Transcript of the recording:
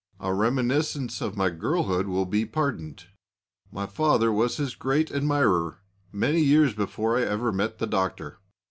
A reminiscence of my girlhood will be pardoned: My father was his great admirer many years before I ever met the Doctor.